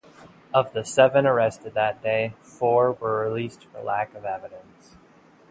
Of the seven arrested that day, four were released for lack of evidence.